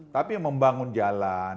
tapi membangun jalan